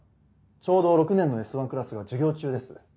ちょうど６年のＳ１クラスが授業中です。